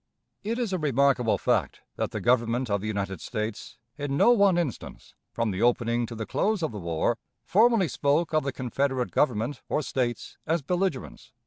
It is a remarkable fact that the Government of the United States, in no one instance, from the opening to the close of the war, formally spoke of the Confederate Government or States as belligerents.